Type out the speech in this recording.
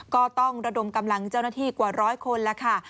ก็ต้องระดมกำลังเจ้าหน้าที่กว่าร้อยคนแล้วค่ะ